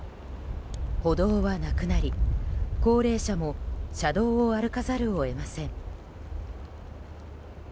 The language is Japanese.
歩道はなくなり、高齢者も車道を歩かざるを得ません。